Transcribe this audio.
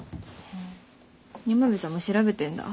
山辺さんも調べてんだ。